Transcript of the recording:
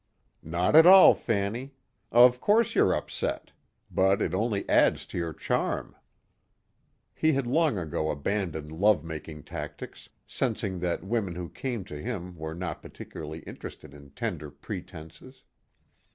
"Not at all, Fanny. Of course you're upset. But it only adds to your charm." He had long ago abandoned love making tactics, sensing that women who came to him were not particularly interested in tender pretenses.